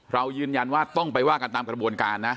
เรายืนยันว่าต้องไปว่ากันตามกระบวนการนะ